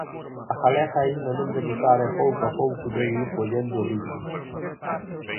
A galega aínda non debutara e pouco a pouco debe ir collendo ritmo.